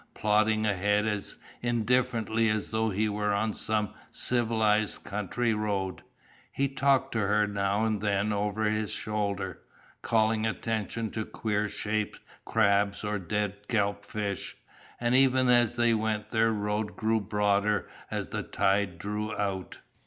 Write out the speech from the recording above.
Plodding ahead as indifferently as though he were on some civilized country road, he talked to her now and then over his shoulder, calling attention to queer shaped crabs or dead kelp fish, and ever as they went their road grew broader as the tide drew out.